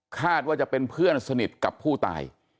คาดว่าจะเป็นเพื่อนสนิทกับผู้ตาย